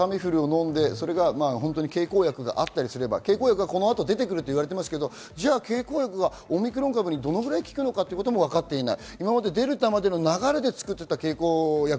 タミフルを飲んで、経口薬があったりすれば、この後出てくると言われてますが、オミクロン株にどのぐらい効くのかということも分かっていません。